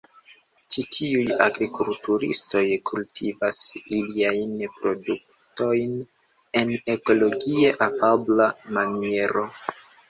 Ĉi tiuj agrikulturistoj kultivas iliajn produktojn en ekologie afabla maniero.